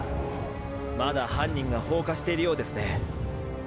まだ犯人が放火してるようですね。